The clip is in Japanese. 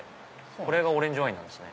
これがオレンジワインですか？